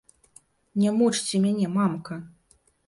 Не мучце мяне, мамка!